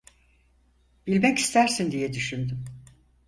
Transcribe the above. Bilmek istersin diye düşündüm.